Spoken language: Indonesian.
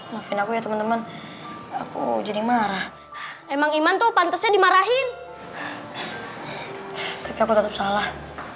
binaku ya teman teman aku jadi marah memang iman tupan ternyata dimarahin tapi aku tetap salah